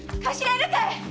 いるかい⁉